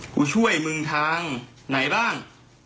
กูช่วยมึงทางไหนบ้าง